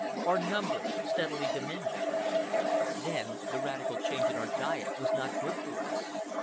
Our number steadily diminished. Then the radical change in our diet was not good for us.